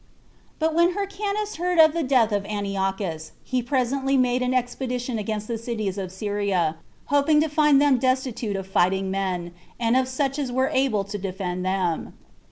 1. But when Hyrcanus heard of the death of Antiochus, he presently made an expedition against the cities of Syria, hoping to find them destitute of fighting men, and of such as were able to defend them.